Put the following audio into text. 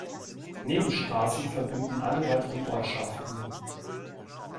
Nebenstraßen verbinden alle weiteren Ortschaften.